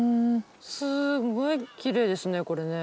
すごいきれいですねこれね。